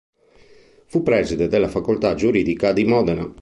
Fu preside della Facoltà giuridica di Modena.